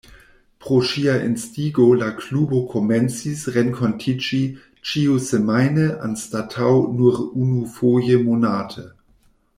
Pro ŝia instigo la klubo komencis renkontiĝi ĉiusemajne anstataŭ nur unufoje monate.